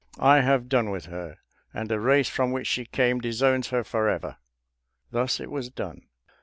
I have done with her; and the race from which she came disowns her forever." Thus it was done.